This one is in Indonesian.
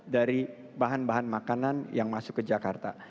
dari bahan bahan makanan yang masuk ke jakarta